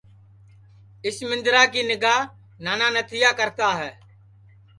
اُس مندرا کی نیگھا نانا نتھیا کرتا ہے